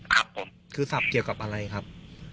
ครับผมคือศัพท์เกี่ยวกับอะไรครับ